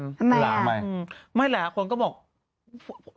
ทำไม